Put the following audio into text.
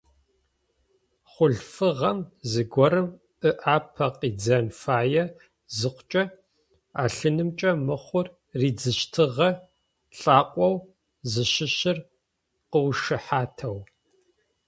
Хъулъфыгъэм зыгорэм ыӏапэ кӏидзэн фае зыхъукӏэ, ӏэлъынымкӏэ мыхъур ридзыщтыгъэ лӏакъоу зыщыщыр къыушыхьатэу.